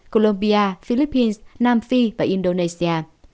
colombia philippines nam phi và indonesia